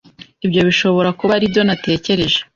Ibyo bishobora kuba aribyo natekereje.